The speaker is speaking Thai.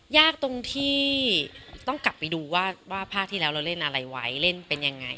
ยากตรงที่ต้องกลับไปดูว่าภาคที่แล้วเราเล่นอะไรไว้เล่นเป็นยังไง